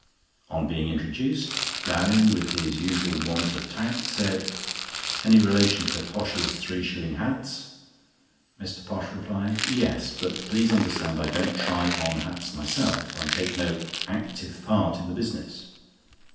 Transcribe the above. On being introduced, Gowing, with his usual want of tact, said: "Any relation to 'Posh's three shilling hats'?" Mr. Posh replied: "Yes; but please understand I don't try on hats myself. I take no active part in the business."